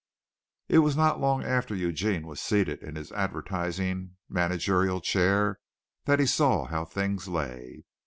It was not long after Eugene was seated in his advertising managerial chair that he saw how things lay.